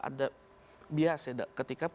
ada bias ketika